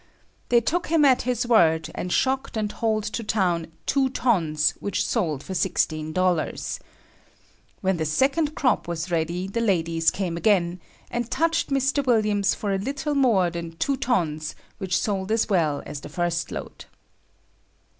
They took him at his word and shocked and hauled to town two tons which sold for $16. When the second crop was ready the ladies came again, and 'touched' Mr. Williams for a little more than two tons which sold as well as the first load."